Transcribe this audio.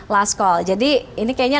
last call jadi ini kayaknya